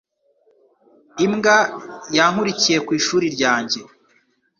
Imbwa yankurikiye ku ishuri ryanjye.